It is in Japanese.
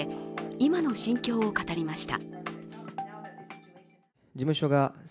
今の心境を語りました。